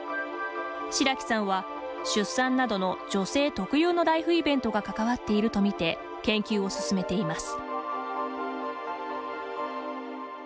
白木さんは、出産などの女性特有のライフイベントが関わっていると見て研究を進めています。